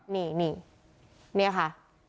นี่ค่ะ